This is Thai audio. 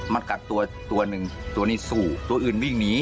มันกักตัวตัวหนึ่งตัวนี้สู้ตัวอื่นวิ่งหนี